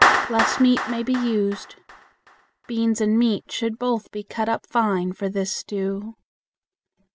Less meat may be used. Beans and meat should both be cut up fine for this stew.